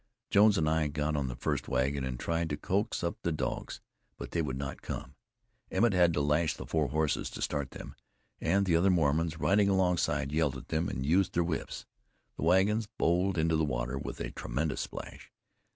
Jones and I got on the first wagon and tried to coax up the dogs, but they would not come. Emmett had to lash the four horses to start them; and other Mormons riding alongside, yelled at them, and used their whips. The wagon bowled into the water with a tremendous splash.